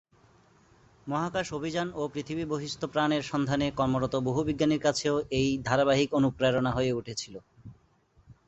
মহাকাশ অভিযান ও পৃথিবী-বহিঃস্থ প্রাণের সন্ধানে কর্মরত বহু বিজ্ঞানীর কাছেও এই ধারাবাহিক অনুপ্রেরণা হয়ে উঠেছিল।